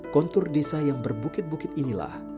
kontur desa yang berbukit bukit inilah